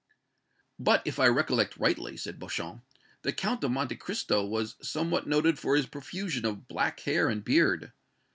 "But, if I recollect rightly," said Beauchamp, "the Count of Monte Cristo was somewhat noted for his profusion of black hair and beard.